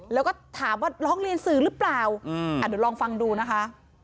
แล้วก็ถามว่าร้องเรียนสื่อหรือเปล่าเดี๋ยวลองฟังดูนะคะ